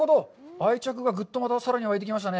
愛着がぐっとまたさらに湧いてきましたね。